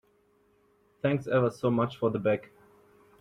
Thanks ever so much for the bag.